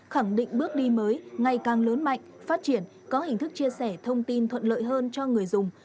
khẳng định bước đi mới ngày càng lớn mạnh phát triển có hình thức chia sẻ thông tin thuận lợi hơn cho người dùng